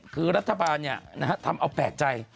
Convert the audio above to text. คือรัฐบาลทำเอาแปลกใจ